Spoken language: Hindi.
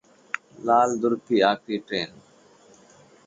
लाल दुर्ग की आखिरी ट्रेन